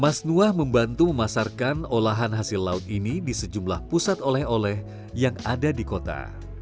mas nuah membantu memasarkan olahan hasil laut ini di sejumlah pusat oleh oleh yang ada di kota